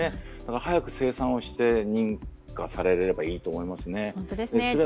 早く生産をして認可されればいいと思いますね。